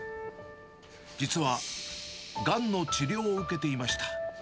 実はがんの治療を受けていました。